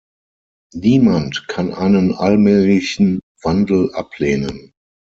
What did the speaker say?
Niemand kann einen allmählichen Wandel ablehnen.